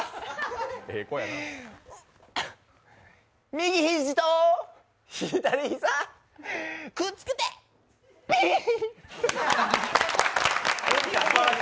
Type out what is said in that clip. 右肘と左膝、くっつけて、ピーン！